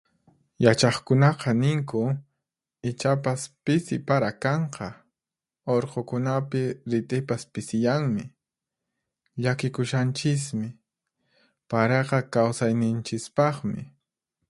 Yachaqkunaqa ninku, ichapas pisi para kanqa, urqukunapi rit'ipas pisiyanmi. Llakikushanchismi, paraqa kawsayninchispaqmi.